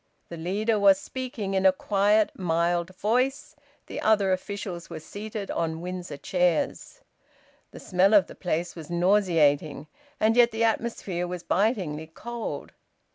The leader was speaking in a quiet, mild voice, the other officials were seated on Windsor chairs. The smell of the place was nauseating, and yet the atmosphere was bitingly cold.